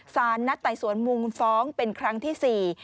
สารนัดไต่สวนมูลฟ้องเป็นครั้งที่๔